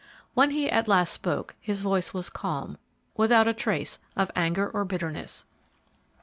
When he at last spoke, his voice was calm, without a trace of anger or bitterness.